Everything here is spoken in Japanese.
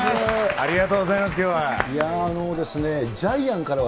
ありがとうございます、きょうは。